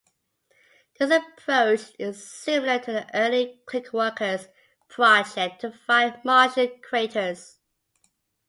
This approach is similar to the earlier Clickworkers project to find Martian craters.